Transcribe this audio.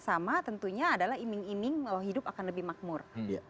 sama tentunya adalah iming iming kalau hidup akan lebih makmur